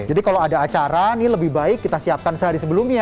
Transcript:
jadi kalau ada acara ini lebih baik kita siapkan sehari sebelumnya